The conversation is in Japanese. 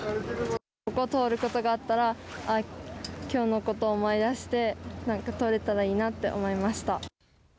ここを通ることがあったらきょうのことを思い出して通れたらいいなと思いました。